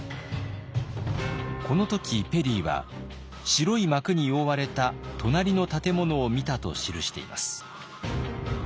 この時ペリーは白い幕に覆われた隣の建物を見たと記しています。